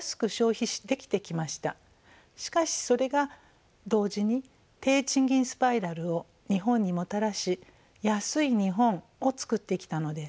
しかしそれが同時に低賃金スパイラルを日本にもたらし「安い日本」をつくってきたのです。